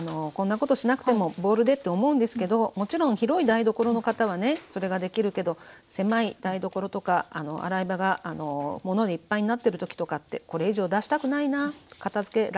こんなことしなくてもボウルでと思うんですけどもちろん広い台所の方はねそれができるけど狭い台所とか洗い場が物でいっぱいになってる時とかこれ以上出したくないな片づけ